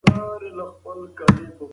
آیا تاسو کله د پښتنو په جرګه کي ناست یاست؟